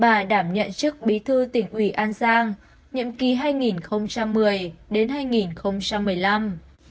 và đảm nhận chức bí thư tỉnh ủy an giang nhiệm kỳ hai nghìn một mươi đến hai nghìn một mươi năm